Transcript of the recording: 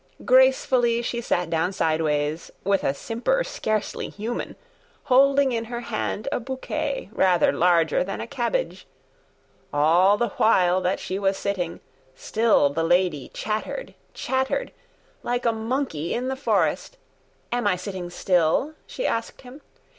Gracefully she sat down sideways, With a simper scarcely human, Holding in her hand a bouquet Rather larger than a cabbage. All the while that she was sitting, Still the lady chattered, chattered, Like a monkey in the forest. "Am I sitting still?" she asked him.